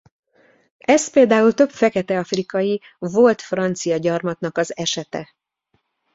Ez például több fekete-afrikai volt francia gyarmatnak az esete.